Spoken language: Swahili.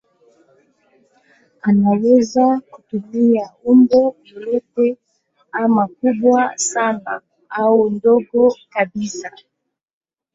Anaweza kutumia umbo lolote ama kubwa sana au dogo kabisa.